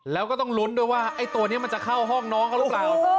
แล้วก็ต้องลุ้นด้วยว่าไอ้ตัวนี้มันจะเข้าห้องน้องเขาหรือเปล่า